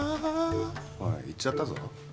おい行っちゃったぞ。